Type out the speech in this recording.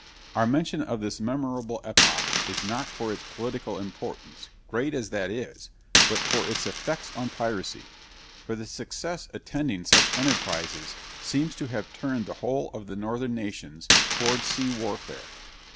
Our mention of this memorable epoch is not for its political importance, great as that is, but for its effects on piracy; for the success attending such enterprises seems to have turned the whole of the northern nations towards sea warfare.